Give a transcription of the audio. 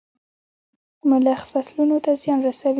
ملخ فصلونو ته زيان رسوي.